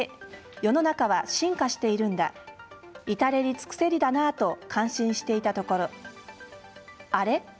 世の中は進化しているんだ至れり尽くせりだなと感心していたところあれ？